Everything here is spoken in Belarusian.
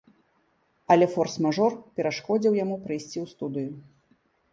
Але форс-мажор перашкодзіў яму прыйсці ў студыю.